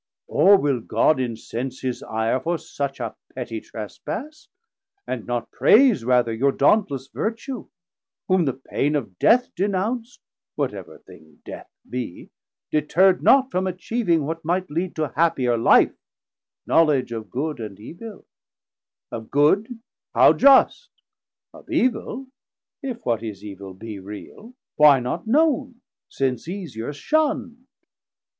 or will God incense his ire For such a pretty Trespass, and not praise Rather your dauntless vertue, whom the pain Of Death denounc't, whatever thing Death be, Deterrd not from atchieving what might leade To happier life, knowledge of Good and Evil; Of good, how just? of evil, if what is evil Be real, why not known, since easier shunnd?